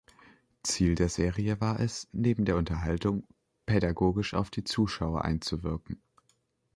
Ziel der Serie war es, neben der Unterhaltung, pädagogisch auf die Zuschauer einzuwirken.